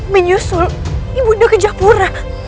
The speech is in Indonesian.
menyusul ibu do ke japura